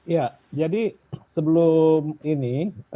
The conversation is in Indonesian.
ya jadi sebelum ini